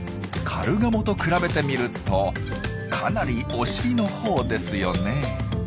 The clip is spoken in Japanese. カルガモと比べてみるとかなりお尻のほうですよね。